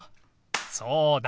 そうだ！